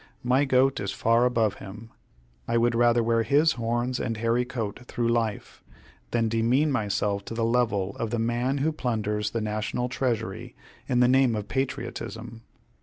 My goat is far above him. I would rather wear his horns and hairy coat through life, than demean myself to the level of the man who plunders the national treasury in the name of patriotism.